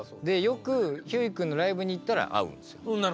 よくひゅーい君のライブに行ったら会うんですよ。